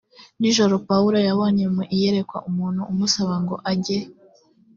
nijoro pawulo yabonye mu iyerekwa umuntu umusaba ngo ajye